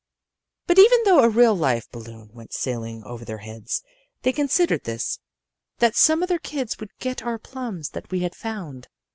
"But even though a real live balloon went sailing over their heads, they considered this: that some other kids would get our plums that we had found.